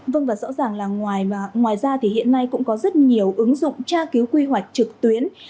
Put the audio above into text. vâng và rõ ràng là ngoài ra thì hiện nay cũng có rất nhiều ứng dụng tra cứu quy hoạch trực tuyến